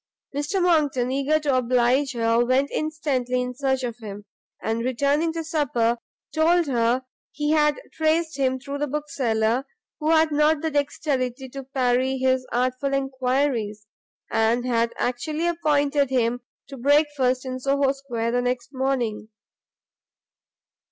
Mr Monckton, eager to oblige her, went instantly in search of him, and returning to supper, told her he had traced him through the Bookseller, who had not the dexterity to parry his artful enquiries, and had actually appointed him to breakfast in Soho Square the next morning.